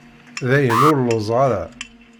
Dayen, ur lluẓeɣ ara.